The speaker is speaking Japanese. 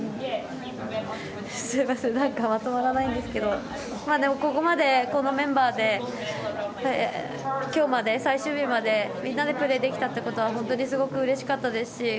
すみませんまとまらないんですがここまで、このメンバーで今日まで、最終日までみんなでプレーできたことはすごくうれしかったですし